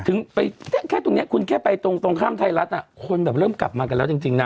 ไปแค่ตรงนี้คุณแค่ไปตรงตรงข้ามไทยรัฐคนแบบเริ่มกลับมากันแล้วจริงนะ